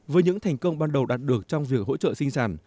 với những thành công ban đầu đạt được trong việc hỗ trợ sinh sản